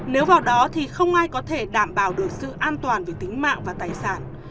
nếu vào đó thì không ai có thể đảm bảo được sự an toàn về tính mạng và tài sản